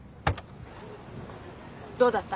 どうだった？